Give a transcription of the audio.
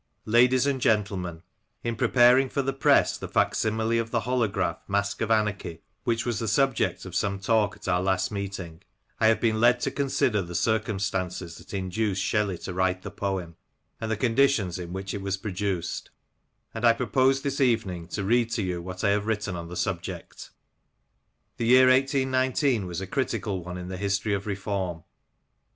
Ladies and Gentlemen, — In preparing for the press the fac simile of the holograph Mask of Anarchy ^ which was the subject of some talk at our last meeting, I have been led to consider the circumstances that induced Shelley to write the poem, and the conditions in which it was produced ; and I propose this evening to read to you what I have written on the subject. The year 18 19 was a critical one in the history of reform.